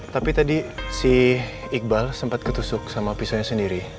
tapi tadi si iqbal sempat ketusuk sama pisaunya sendiri